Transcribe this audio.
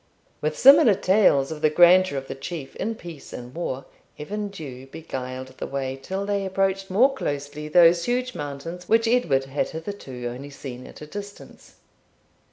With similar tales of the grandeur of the Chief in peace and war, Evan Dhu beguiled the way till they approached more closely those huge mountains which Edward had hitherto only seen at a distance.